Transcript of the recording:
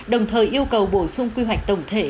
đồng thời yêu cầu bổ sung quy hoạch tổng thể